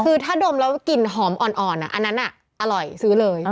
คือถ้าดมแล้วกลิ่นหอมอ่อนอันนั้นอร่อยซื้อเลย